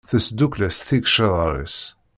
Tesdukel-as tigecrar-is.